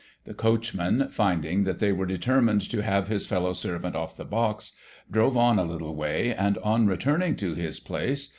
The coachman, finding that they were determined to have his fellow servant off the box, drove on a little way, and, on returning to his place.